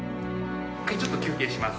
１回ちょっと休憩します。